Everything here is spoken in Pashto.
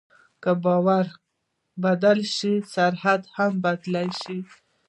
که باور بدل شي، سرحد هم بدل شي.